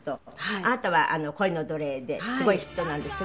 あなたは『恋の奴隷』ですごいヒットなんですけど。